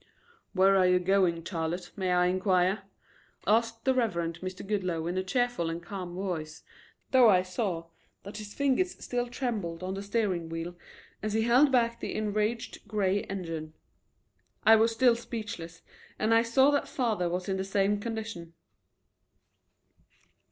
"Where are you going, Charlotte, may I inquire?" asked the Reverend Mr. Goodloe in a cheerful and calm voice, though I saw that his fingers still trembled on the steering wheel as he held back the enraged gray engine. I was still speechless and I saw that father was in the same condition.